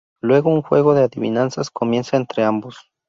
Luego un juego de adivinanzas comienza entre ambos.